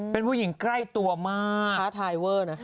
เป็นผู้หญิงใกล้ตัวมากนางโกรธ